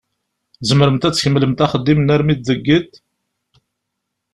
Tzemremt ad tkemmlemt axeddim-nni armi deg iḍ?